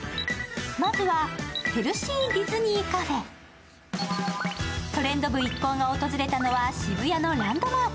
まずは、ヘルシーディズニーカフェ「トレンド部」一行が訪れたのは渋谷のランドマーク。